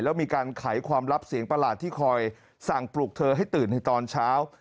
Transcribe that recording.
แล้วมีการไขความลับเสียงประหลาดที่คอยสั่งปลุกเธอให้ตื่นในตอนเช้า